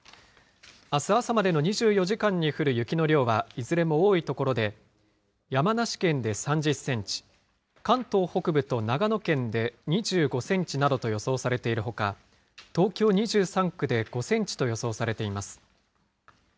あす朝までの２４時間に降る雪の量は、いずれも多い所で、山梨県で３０センチ、関東北部と長野県で２５センチなどと予想されているほか、東京２３区で５センチと予想されています。